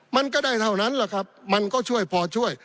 มันก็ได้เท่านั้นแหละครับมันก็ช่วยพอช่วย